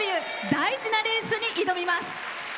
大事なレースに挑みます。